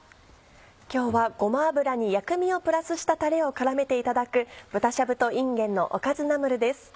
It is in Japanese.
今日はごま油に薬味をプラスしたタレを絡めていただく「豚しゃぶといんげんのおかずナムル」です。